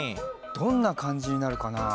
どんなかんじになるかなあ？